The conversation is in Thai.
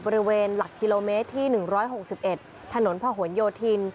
บริเวณหลักกิโลเมตรที่๑๖๑ถนนพะหนโยธิน